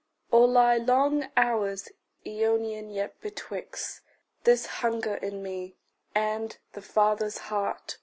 Or lie long hours æonian yet betwixt This hunger in me, and the Father's heart?